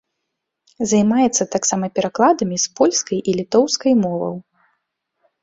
Займаецца таксама перакладамі з польскай і літоўскай моваў.